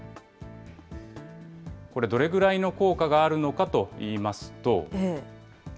これ、どれぐらいの効果があるのかといいますと。